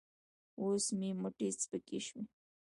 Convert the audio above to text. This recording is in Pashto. اوس مې مټې سپکې شوې.